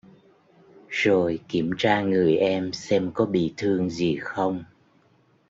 rồi kiểm tra người em xem có bị thương gì không